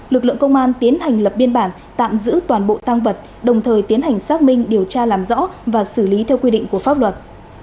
lực lượng công an tiến hành lập biên bản tạm giữ toàn bộ tăng vật đồng thời tiến hành xác minh điều tra làm rõ và xử lý theo quy định của pháp luật